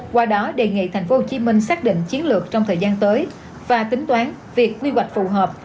qua đó đề nghị tp hcm xác định chiến lược trong thời gian tới và tính toán việc quy hoạch phù hợp